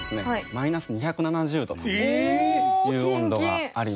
マイナス２７０度という温度があります。